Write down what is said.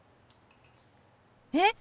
えっ！